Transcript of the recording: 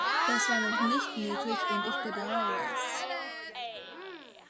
Das war noch nicht möglich, und ich bedaure es.